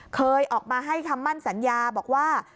เคยออกมาให้คำมั่นสัญญาบอกว่า